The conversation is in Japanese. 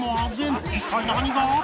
一体何が？